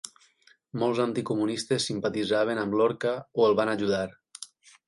Molts anticomunistes simpatitzaven amb Lorca o el van ajudar.